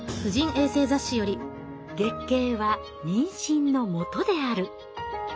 「月経は妊娠の本である」。